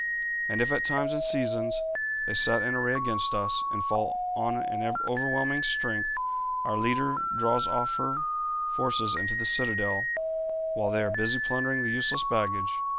And if at times and seasons they set in array against us, and fall on in overwhelming strength, our leader draws off her forces into the citadel while they are busy plundering the useless baggage.